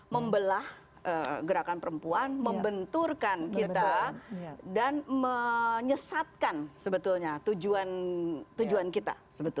membelah gerakan perempuan membenturkan kita dan menyesatkan sebetulnya tujuan kita